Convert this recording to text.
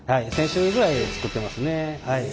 １，０００種類ぐらい作ってますね。